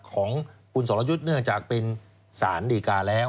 ของคุณสรยุทธ์เนื่องจากเป็นสารดีกาแล้ว